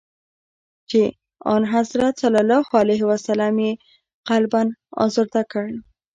چي آنحضرت ص یې قلباً آزرده کړ.